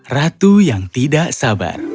ratu yang tidak sabar